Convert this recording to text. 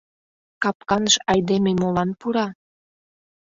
— Капканыш айдеме молан пура?